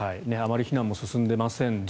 あまり避難も進んでいません。